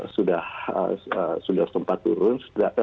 sudah sempat turun